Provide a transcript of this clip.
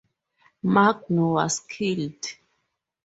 Magno was killed.